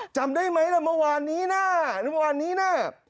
จำได้ไหมนะวันนี้น่า